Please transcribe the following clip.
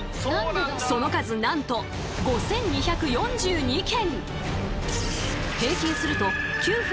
その数なんと５，２４２件！